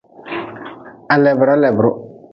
Ha lebra lebruh.